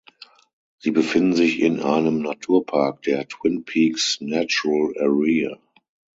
Sie befinden sich in einem Naturpark, der "Twin Peaks Natural Area".